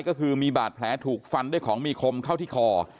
ก็คือมีบาดแผลถูกฟันด้วยของมีคมเข้าที่คอ